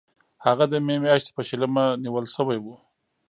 هغه د می میاشتې په شلمه نیول شوی و.